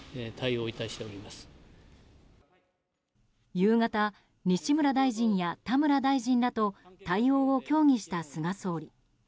夕方、西村大臣や田村大臣らと対応を協議した菅総理。